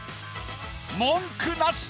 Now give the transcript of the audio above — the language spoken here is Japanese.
文句なし！